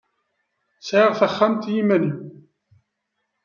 Sɛiɣ taxxamt i iman-iw.